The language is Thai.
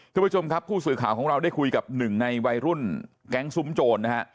คุณผู้ชมครับผู้สื่อข่าวของเราได้คุยกับหนึ่งในวัยรุ่นแก๊งซุ้มโจรนะฮะ